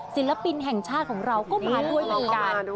ศิลปินแห่งชาติของเราก็มาด้วยเหมือนกัน